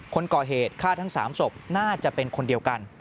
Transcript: คนก่อเหตุฆ่าทั้ง๓ศพน่าจะเป็นคนเดียวกัน